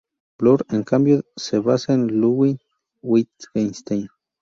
Bloor, en cambio, se basa en Ludwig Wittgenstein.